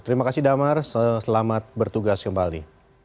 terima kasih damar selamat bertugas kembali